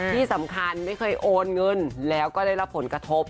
ที่สำคัญไม่เคยโอนเงินแล้วก็ได้รับผลกระทบ